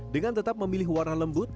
dengan tetap memilih warna lembut